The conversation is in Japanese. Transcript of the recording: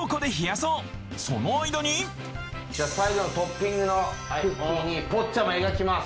その間にじゃあ最後のトッピングのクッキーにポッチャマ描きます。